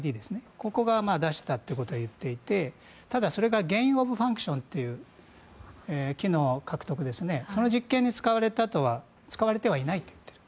ここが出したということを言っていてただ、それがゲイン・オブ・ファンクションというその実験に使われてはいないと言っている。